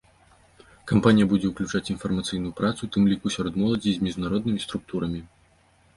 Кампанія будзе ўключаць інфармацыйную працу, у тым ліку сярод моладзі і з міжнароднымі структурамі.